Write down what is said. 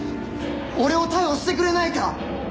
俺を逮捕してくれないか！？